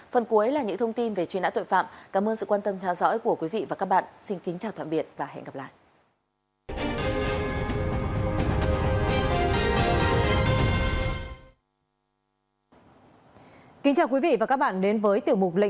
phần cuối là những thông tin về truy nã tội phạm cảm ơn sự quan tâm theo dõi của quý vị và các bạn xin kính chào tạm biệt và hẹn gặp lại